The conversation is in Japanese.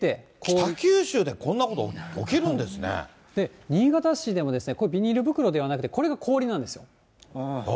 北九州でこんなこと、新潟市でもこれビニール袋ではなくて、これが氷なんですよ。